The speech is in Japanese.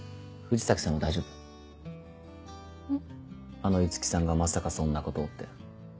あの五木さんがまさかそんなことをって。